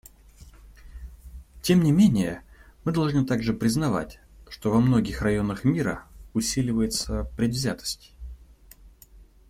Тем не менее мы должны также признать, что во многих районах мира усиливается предвзятость.